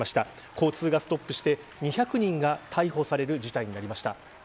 交通がストップして２００人が逮捕される事態になりました。